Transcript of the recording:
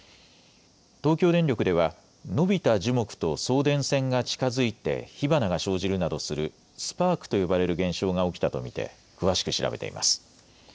東京電力では、伸びた樹木と送電線が近づいて火花が生じるなどするスパークと呼ばれる現象が起きたと見て、詳しく調べています。